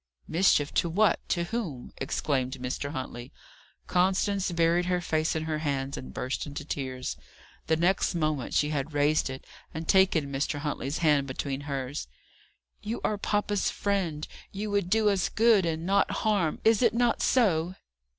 "Mischief to what? to whom?" exclaimed Mr. Huntley. Constance buried her face in her hands, and burst into tears. The next moment she had raised it, and taken Mr. Huntley's hand between hers. "You are papa's friend! You would do us good and not harm is it not so?"